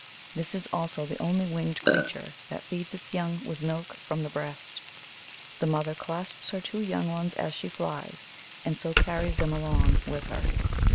This is, also, the only winged creature that feeds its young with milk from the breast. The mother clasps her two young ones as she flies, and so carries them along with her.